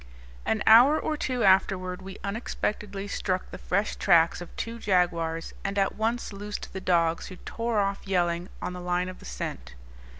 An hour or two afterward we unexpectedly struck the fresh tracks of two jaguars and at once loosed the dogs, who tore off yelling, on the line of the scent.